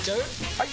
・はい！